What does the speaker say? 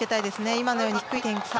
今のように低い展開